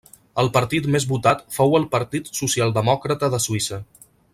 El partit més votat fou el Partit Socialdemòcrata de Suïssa.